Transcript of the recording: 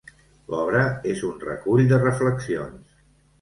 L'obra és un recull de reflexions.